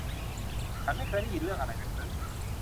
ฉันไม่เคยได้ยินเรื่องอะไรแบบนั้น